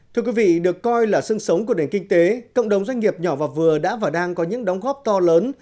thưa quý vị được coi là sương sống của nền kinh tế cộng đồng doanh nghiệp nhỏ và vừa đã và đang có những đóng góp to lớn